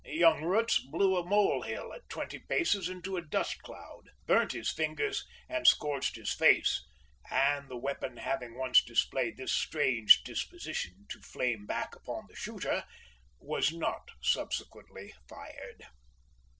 Young Roots blew a molehill at twenty paces into a dust cloud, burnt his fingers, and scorched his face; and the weapon having once displayed this strange disposition to flame back upon the shooter, was not subsequently fired.